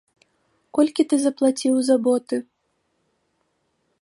Колькі ты заплаціў за боты?